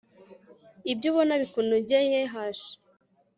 ibyo ubona bikunogeye h